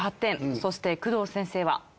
そして工藤先生は。